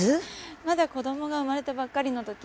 まだ子どもが生まれたばっかりのとき。